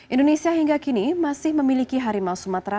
indonesia hingga kini masih memiliki harimau sumatera